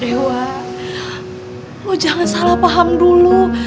dewa lo jangan salah paham dulu